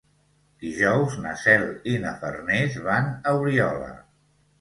Dijous na Cel i na Farners van a Oriola.